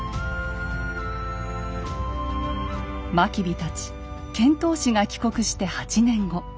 真備たち遣唐使が帰国して８年後。